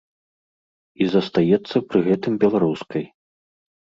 І застаецца пры гэтым беларускай.